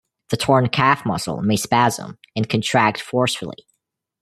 The torn calf muscle may spasm, and contract forcefully.